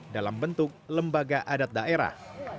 dalam bentuk lembaga adat daerah